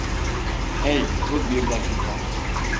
Hey, dur bir dakika.